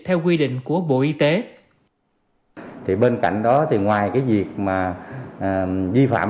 theo quy định của bộ y tế